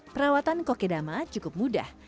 perawatan kokedama cukup mudah